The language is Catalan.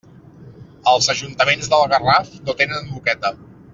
Els ajuntaments del Garraf no tenen moqueta.